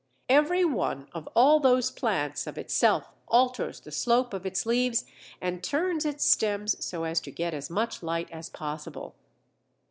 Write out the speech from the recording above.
Every one of all those plants of itself alters the slope of its leaves and turns its stems so as to get as much light as possible.